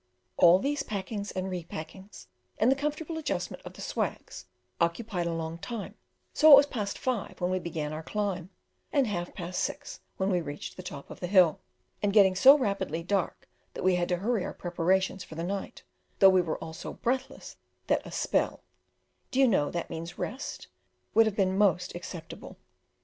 All these packings and repackings, and the comfortable adjustment of the "swags," occupied a long time, so it was past five when we began our climb, and half past six when we reached the top of the hill, and getting so rapidly dark that we had to hurry our preparations for the night, though we were all so breathless that a "spell" (do you know that means rest?) would have been most acceptable.